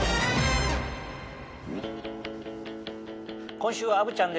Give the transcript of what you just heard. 今週は虻ちゃんです